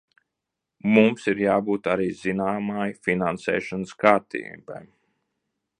Mums ir jābūt arī zināmai finansēšanas kārtībai.